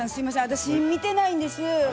私見てないんです。